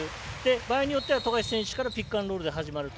場合によっては富樫選手からピックアンドロールで始まると。